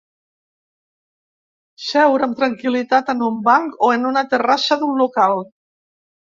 Seure amb tranquil·litat en un banc o en una terrassa d’un local.